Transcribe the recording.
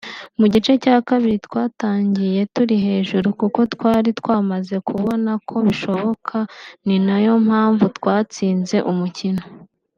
Mu gice cya kabiri twatangiye turi hejuru kuko twari twamaze kubona ko bishoboka ni nayo mpamvu twatsinze umukino”